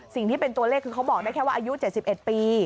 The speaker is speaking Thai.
สิ่งที่เป็นตัวเลขคือเขาบอกได้แค่ว่าอายุ๗๑ปี